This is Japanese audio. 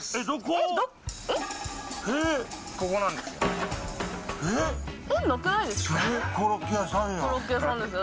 ここなんですよ。